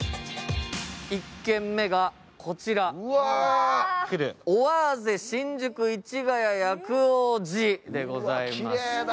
１軒目がこちら、オアーゼ新宿市谷薬王寺でございます。